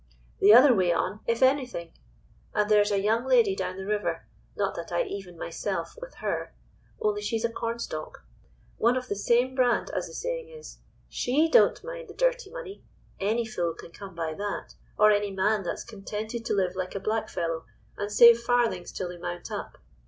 The other way on, if anything. And there's a young lady down the river—not that I even myself with her, only she's a 'cornstalk'—one of the same brand, as the saying is. She don't mind the dirty money—any fool can come by that, or any man that's contented to live like a black fellow, and save farthings till they mount up.